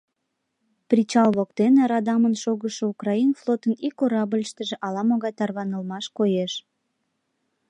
Причал воктене радамын шогышо украин флотын ик корабльыштыже ала-могай тарванылмаш коеш.